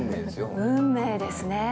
運命ですね。